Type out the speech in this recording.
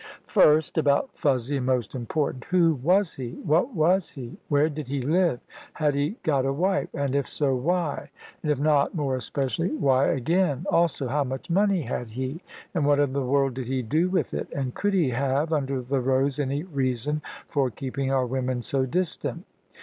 First, about Fuzzy, and most important. Who was he? What was he? Where did he live? Had he got a wife? And if so, why? And if not, more especially, why again? Also, how much money had he, and what in the world did he do with it; and could he have, under the rose, any reason for keeping our women so distant?